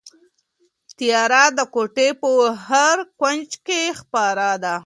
تیاره د کوټې په هر کونج کې خپره ده.